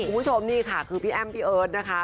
คุณผู้ชมนี่ค่ะคือพี่แอ้มพี่เอิร์ทนะคะ